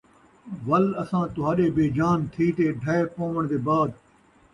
وَل اَساں تُہاݙے بے جان تھی تے ڈھے پووݨ دے بعد